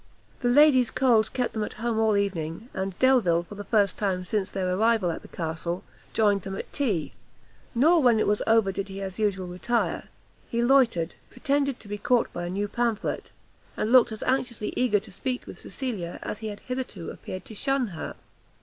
The ladies' colds kept them at home all the evening, and Delvile, for the first time since their arrival at the castle, joined them at tea; nor when it was over, did he as usual retire; he loitered, pretended to be caught by a new pamphlet, and looked as anxiously eager to speak with Cecilia, as he had hitherto appeared to shun her.